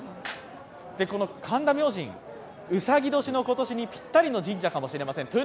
神田明神、うさぎ年の今年にぴったりの神社かもしれません。